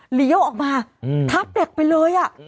เลี้ยวออกมาทับเด็กไปเลย